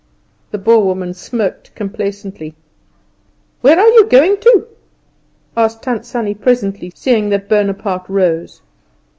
The Boer woman smirked complacently. "Where are you going to?" asked Tant Sannie presently, seeing that Bonaparte rose.